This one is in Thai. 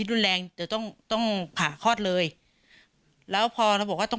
รุนแรงจะต้องต้องผ่าคลอดเลยแล้วพอเราบอกว่าต้อง